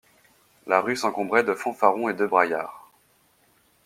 La rue s'encombrait de fanfarons et de braillards.